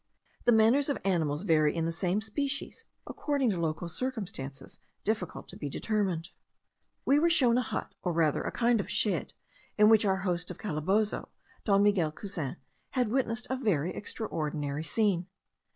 The manners of animals vary in the same species according to local circumstances difficult to be determined. We were shown a hut, or rather a kind of shed, in which our host of Calabozo, Don Miguel Cousin, had witnessed a very extraordinary scene.